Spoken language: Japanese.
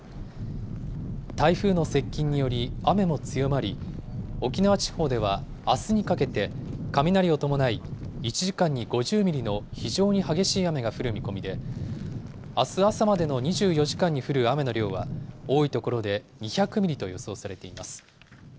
台風の接近により雨も強まり、沖縄地方ではあすにかけて、雷を伴い１時間に５０ミリの非常に激しい雨が降る見込みで、あす朝までの２４時間に降る雨の量は、多い所で２００ミリと予想されています。